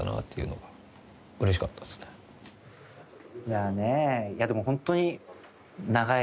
まぁねいやでもホントに。